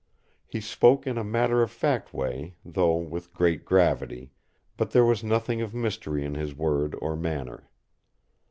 He spoke in a matter of fact way, though with great gravity; but there was nothing of mystery in his word or manner.